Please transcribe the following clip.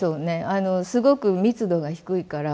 あのすごく密度が低いから。